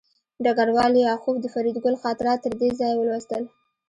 ډګروال لیاخوف د فریدګل خاطرات تر دې ځایه ولوستل